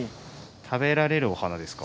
食べられるお花ですか。